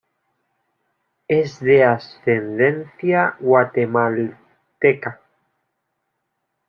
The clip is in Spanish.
Es de ascendencia guatemalteca.